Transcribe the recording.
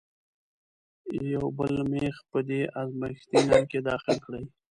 یو بل میخ په دې ازمیښتي نل کې داخل کړئ.